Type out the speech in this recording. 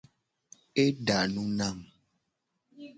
Eda nu nam.